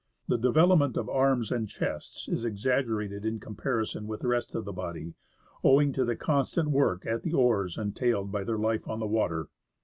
The development of arms and chests is exaggerated in comparison with the rest of the body, owing to the constant work at the oars entailed by their life on the water.